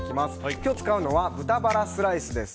今日、使うのは豚バラスライスです。